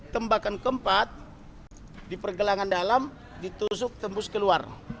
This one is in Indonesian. tembakan keempat di pergelangan dalam ditusuk tembus keluar